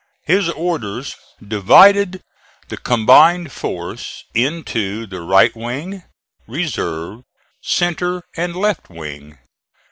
His orders divided the combined force into the right wing, reserve, centre and left wing.